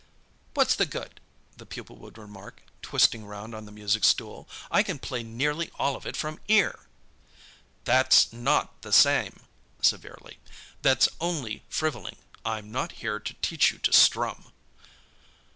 "What's the good?" the pupil would remark, twisting round on the music stool; "I can play nearly all of it from ear!" "That's not the same"—severely—"that's only frivolling. I'm not here to teach you to strum."